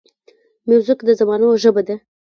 موزیک د زمانو ژبه ده.